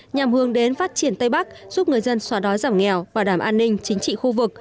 nhằm hướng đến phát triển tây bắc giúp người dân xóa đói giảm nghèo bảo đảm an ninh chính trị khu vực